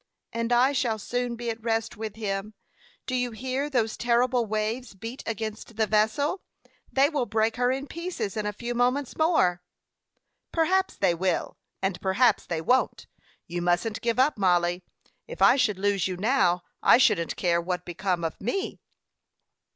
"And I shall soon be at rest with him. Do you hear those terrible waves beat against the vessel? They will break her in pieces in a few moments more." "Perhaps they will, and perhaps they won't. You mustn't give up, Mollie. If I should lose you now, I shouldn't care what became of me."